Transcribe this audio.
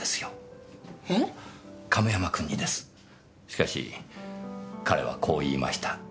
しかし彼はこう言いました。